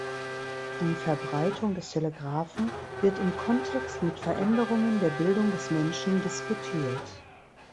Die Verbreitung des Telegrafen wird im Kontext mit Veränderungen der Bildung des Menschen diskutiert.